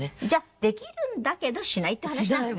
できるんだけどしないって話なのね。